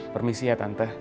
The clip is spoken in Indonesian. permisi ya tante